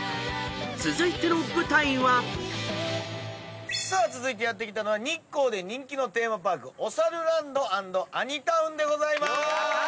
［続いての舞台は］さあ続いてやって来たのは日光で人気のテーマパークおさるランド＆アニタウンでございまーす！